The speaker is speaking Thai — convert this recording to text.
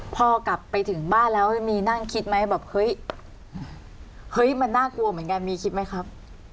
พอกลับไปถึงบ้านแล้วมีนั่งคิดไหมแบบเฮ้ยเฮ้ยมันน่ากลัวเหมือนกันมีคิดไหมครับ